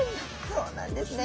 そうなんですね。